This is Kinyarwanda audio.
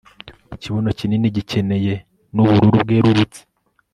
Ikibuno kinini gikenyeye nubururu bwerurutse